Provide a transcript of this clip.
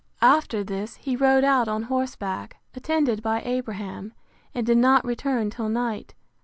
After this, he rode out on horseback, attended by Abraham, and did not return till night.